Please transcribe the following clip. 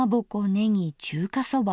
ねぎ中華そば。